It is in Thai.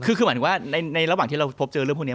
คือคือเป็นว่าในระหว่างที่เราสังเกตชีวิตจะเจอเรื่องพวกนี้